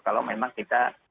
kalau memang kita